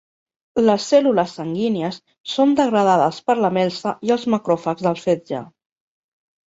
Les cèl·lules sanguínies són degradades per la melsa i els macròfags del fetge.